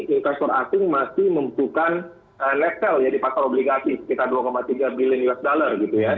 investor asing masih membutuhkan net sale jadi pasar obligasi sekitar dua tiga billion us dollar gitu ya